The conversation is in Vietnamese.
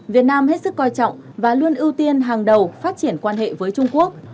việt nam hết sức coi trọng và luôn ưu tiên hàng đầu phát triển quan hệ với trung quốc